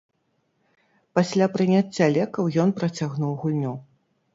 Пасля прыняцця лекаў ён працягнуў гульню.